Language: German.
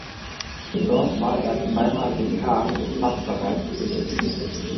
Dort war er zweimal Dekan des Fachbereichs Physik.